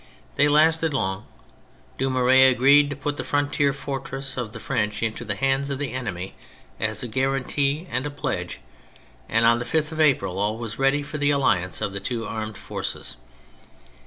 They lasted long. Dumouriez agreed to put the frontier fortresses of the French into the hands of the enemy as a guarantee and a pledge; and on the 5th of April all was ready for the alliance of the two armed forces.